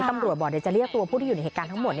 ตำรวจบอกเดี๋ยวจะเรียกตัวผู้ที่อยู่ในเหตุการณ์ทั้งหมด